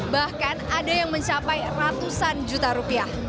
bahkan ada yang mencapai ratusan juta rupiah